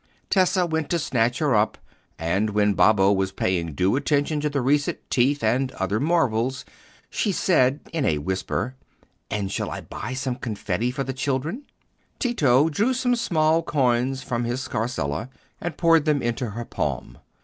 Tessa went to snatch her up, and when Babbo was paying due attention to the recent teeth and other marvels, she said, in a whisper, "And shall I buy some confetti for the children?" Tito drew some small coins from his scarsella, and poured them into her palm.